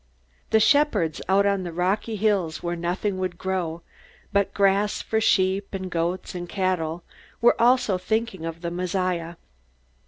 The shepherds, out on the rocky hills where nothing would grow but grass for sheep and goats and cattle, were also thinking of the Messiah.